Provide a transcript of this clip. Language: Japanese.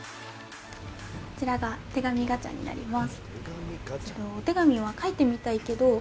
これが手紙ガチャになります。